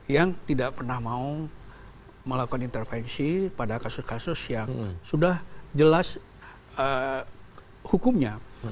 yang tidak pernah mau melakukan intervensi pada kasus kasus yang sudah jelas hukumnya